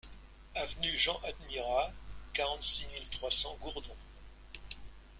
Avenue Jean Admirat, quarante-six mille trois cents Gourdon